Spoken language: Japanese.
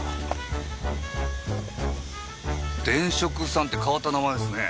電飾さんって変わった名前ですね。